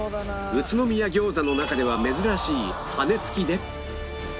宇都宮餃子の中では珍しい羽根付きで